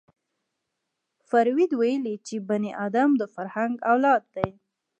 فروید ویلي چې بني ادم د فرهنګ اولاد دی